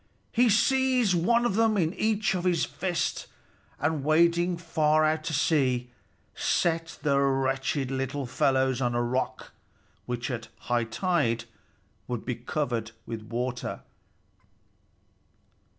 He seized one of them in each big fist, and wading far out to sea, set the wretched little fellows on a rock which at high tide would be covered with water.